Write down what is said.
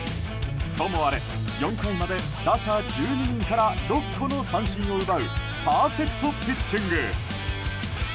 ともあれ４回まで打者１２人から６個の三振を奪うパーフェクトピッチング。